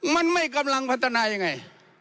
มันไม่กำลังพัฒนายังไง